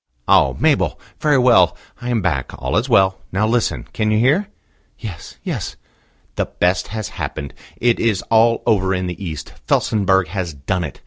"Oh! Mabel. Very well. I am back: all is well. Now listen. Can you hear?" "Yes, yes." "The best has happened. It is all over in the East. Felsenburgh has done it.